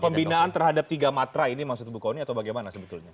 pembinaan terhadap tiga matra ini maksud bu kony atau bagaimana sebetulnya